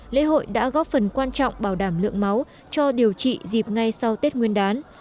lễ hội đã góp phần quan trọng bảo đảm lượng máu cho điều trị dịp ngay sau tết nguyên đán